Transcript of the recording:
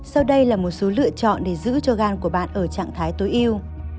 sau đây là một số lựa chọn để giữ cho gan của bạn ở trạng thái tối yêu